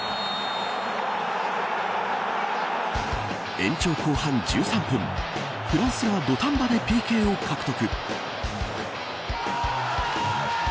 延長後半１３分フランスが土壇場でＰＫを獲得。